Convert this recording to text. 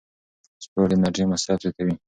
سپورت د انرژۍ مصرف زیاتوي.